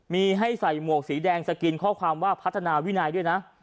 มีให้ใส่หมวกสีแดงสกินข้อความว่าพัฒนาวินัยด้วยนะ